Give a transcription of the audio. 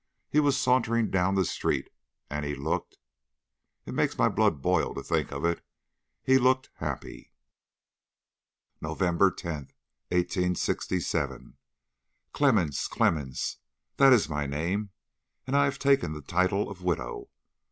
He was sauntering down the street and he looked it makes my blood boil to think of it he looked happy." "NOVEMBER 10, 1867. Clemmens, Clemmens that is my name, and I have taken the title of widow.